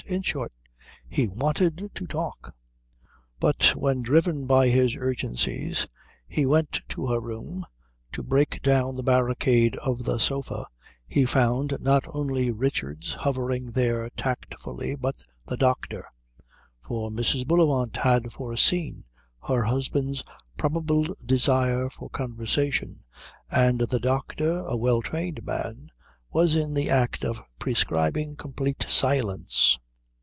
In short, he wanted to talk. But when driven by his urgencies he went to her room to break down the barricade of the sofa, he found not only Richards hovering there tactfully, but the doctor; for Mrs. Bullivant had foreseen her husband's probable desire for conversation, and the doctor, a well trained man, was in the act of prescribing complete silence.